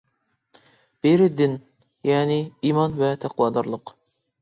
بىرى دىن، يەنى ئىمان ۋە تەقۋادارلىق.